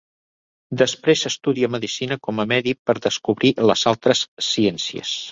Després estudià medicina com a medi per descobrir les altres ciències.